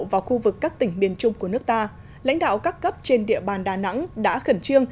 vào khu vực các tỉnh miền trung của nước ta lãnh đạo các cấp trên địa bàn đà nẵng đã khẩn trương